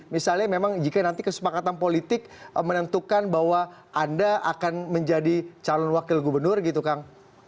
misalnya memang jika nanti kesepakatan politik menentukan bahwa anda akan menjadi calon wakil gubernur gitu kang